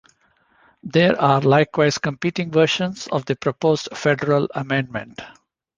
There are likewise competing versions of the proposed federal amendment.